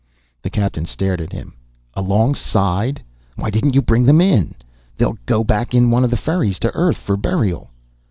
The captain stared at him. "Alongside? Why didn't you bring them in? They'll go back in one of the ferries to Earth for burial."